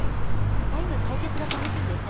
２人の対決が楽しみですね